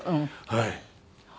はい。